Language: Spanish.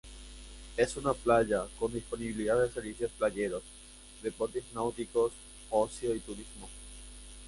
Es una playa con disponibilidad de servicios playeros, deportes náuticos, ocio y turismo.